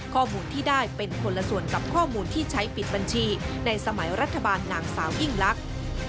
ข้อมูลที่ได้เป็นคนละส่วนกับข้อมูลที่ใช้ปิดบัญชีในสมัยรัฐบาลนางสาวยิ่งลักษณ์